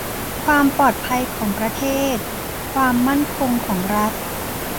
ความปลอดภัยของประเทศ ความมั่นคงของรัฐ